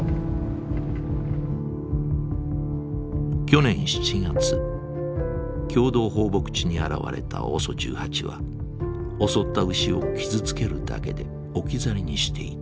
去年７月共同放牧地に現れたＯＳＯ１８は襲った牛を傷つけるだけで置き去りにしていた。